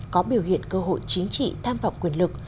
có biểu hiện cơ hội chính trị tham vọng quyền lực